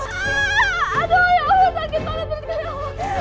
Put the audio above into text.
aduh ya allah sakit tolong sakit ya allah